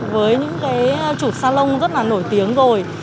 với những chủ salon rất là nổi tiếng rồi